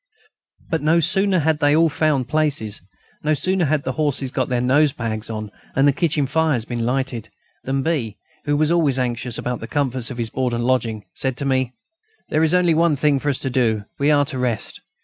But no sooner had they all found places, no sooner had the horses got their nose bags on and the kitchen fires been lighted, than B., who was always anxious about the comforts of his board and lodging, said to me: "There is only one thing for us to do. We are to rest.